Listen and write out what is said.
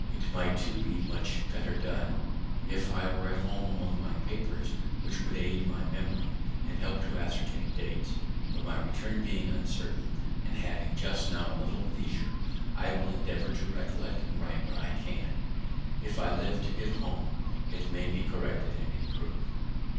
It might, too, be much better done if I were at home among my papers, which would aid my memory, and help to ascertain dates; but my return being uncertain, and having just now a little leisure, I will endeavour to recollect and write what I can; if I live to get home, it may there be corrected and improv'd.